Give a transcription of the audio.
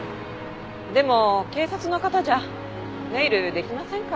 でも警察の方じゃネイルできませんか。